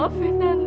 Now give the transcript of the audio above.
no aku mijn kekayaan